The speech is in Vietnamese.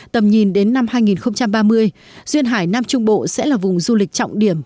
tầm nhìn đến năm hai nghìn ba mươi duyên hải nam trung bộ sẽ là vùng du lịch trọng điểm